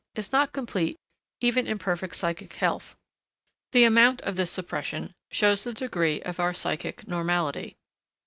is not complete even in perfect psychic health; the amount of this suppression shows the degree of our psychic normality.